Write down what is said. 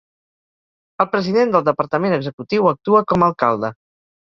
El president del departament executiu actua com a alcalde.